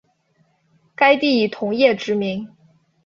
该地以铜业知名。